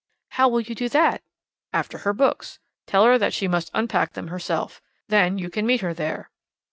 "How will you do that?" "After her books. Tell her that she must unpack them herself. Then you can meet her there."